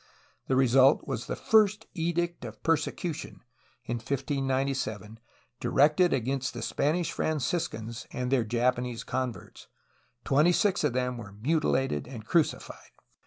The result was the first edict of persecution, in 1597, directed against the Spanish Franciscans and their Japanese con verts. Twenty six of them were mutilated and crucified.